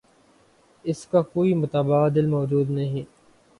اس کا کوئی متبادل موجود نہیں۔